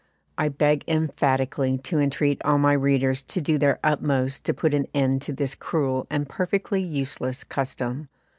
I beg emphatically to entreat all my readers to do their utmost to put an end to this cruel and perfectly useless custom.